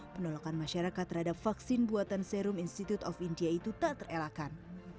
penolakan masyarakat terhadap vaksin buatan serum institute of india itu tak terelakkan